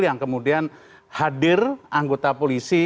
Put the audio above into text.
yang kemudian hadir anggota polisi